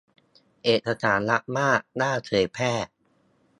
เอกสารลับมาก ห้ามเผยแพร่